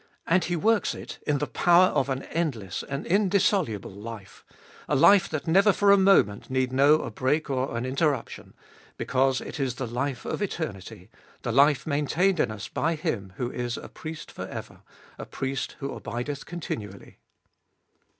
And He works it in the power of an endless, an indissoluble life, a life that never for a moment need know a break or an interruption, because it is the life of eternity, the life maintained in us by Him who is a Priest for ever, a Priest who abideth continually.